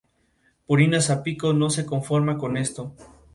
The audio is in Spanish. Purina Zapico, no se conforma con esto.